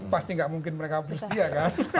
pasti nggak mungkin mereka hapus dia kan